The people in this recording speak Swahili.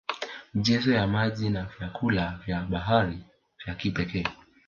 Michezo ya maji na vyakula vya bahari vya kipekee